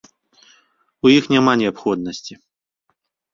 У іх няма неабходнасці.